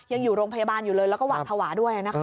ยังอยู่โรงพยาบาลอยู่เลยแล้วก็หวาดภาวะด้วยนะคะ